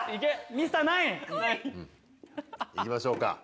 行きましょうか。